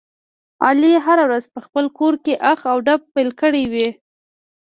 علي هره ورځ په خپل کورکې اخ او ډب پیل کړی وي.